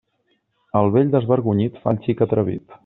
El vell desvergonyit fa el xic atrevit.